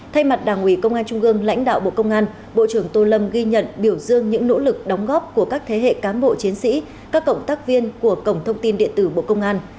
thay mặt đảng ủy công an trung gương lãnh đạo bộ công an bộ trưởng tô lâm ghi nhận biểu dương những nỗ lực đóng góp của các thế hệ cán bộ chiến sĩ các cộng tác viên của cổng thông tin điện tử bộ công an